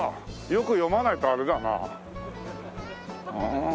よく読まないとあれだな。